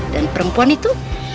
dan perempuan itu